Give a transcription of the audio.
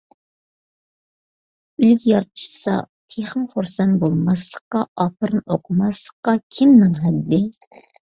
ئۈلگە يارىتىشسا تېخىمۇ خۇرسەن بولماسلىققا، ئاپىرىن ئوقۇماسلىققا كىمنىڭ ھەددى!؟